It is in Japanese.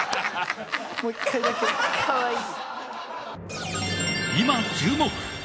かわいい。